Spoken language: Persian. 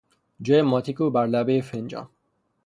جای ماتیک او بر لبهی فنجان